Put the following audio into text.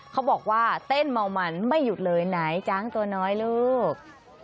เขาบอกว่าเต้นเมามันไม่หยุดเลยไหนจ้างตัวน้อยลูก